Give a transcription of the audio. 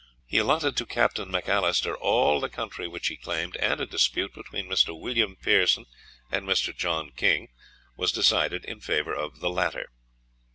He allotted to Captain Macalister all the country which he claimed, and a dispute between Mr. William Pearson and Mr. John King was decided in favour of the latter.